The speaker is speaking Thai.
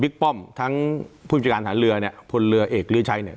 บิ๊กป้อมทั้งผู้บิจารณ์ฐานเรือเนี่ยผลเรือเอกเรือใช้เนี่ย